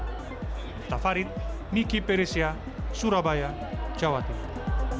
minta farid miki peresia surabaya jawa tenggara